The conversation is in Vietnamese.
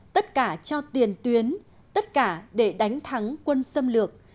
tất cả cho tiền tuyến tất cả để đánh thắng quân xâm lược